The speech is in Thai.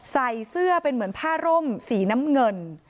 ใส่เสื้อเป็นเหมือนผ้าร่มสีน้ำเงิน